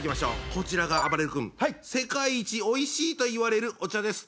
こちらがあばれる君世界一おいしいといわれるお茶です。